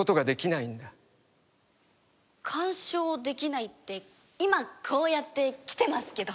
干渉できないって今こうやって来てますけど。